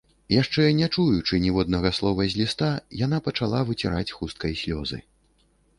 Яшчэ не чуючы ніводнага слова з ліста, яна пачала выціраць хусткай слёзы.